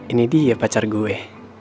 ini dia pacar gue